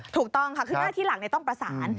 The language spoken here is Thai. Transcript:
ถูกต้องค่ะคือหน้าที่หลักต้องประสาน